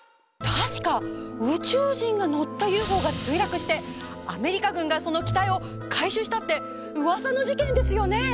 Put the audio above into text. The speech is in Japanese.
確か宇宙人が乗ったＵＦＯが墜落してアメリカ軍がその機体を回収したってうわさの事件ですよね。